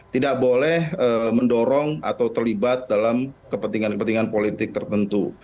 tidak boleh mendorong atau terlibat dalam kepentingan kepentingan politik tertentu